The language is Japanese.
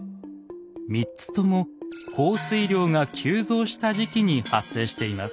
３つとも降水量が急増した時期に発生しています。